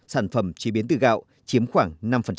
sản phẩm chế biến từ gạo chiếm khoảng năm